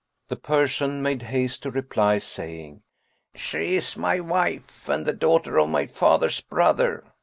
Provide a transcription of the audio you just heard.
The Persian made haste to reply, saying, "She is my wife and the daughter of my father's brother."